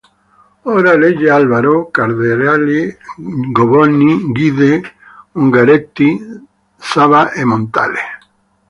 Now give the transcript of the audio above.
Ora legge Alvaro, Cardarelli, Govoni, Gide, Ungaretti, Saba e Montale.